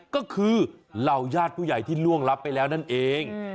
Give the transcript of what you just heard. ก็คือเหล่าญาติผู้ใหญ่ที่ล่วงรับไปแล้วนั่นเอง